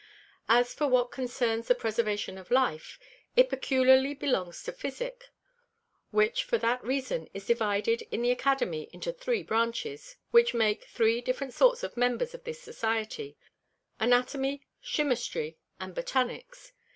As for what concerns the Preservation of Life, it peculiarly belongs to Physick; which for that reason is divided in the Academy into three Branches, which make three different sorts of Members of this Society, Anatomy, Chymistry, and Botanicks.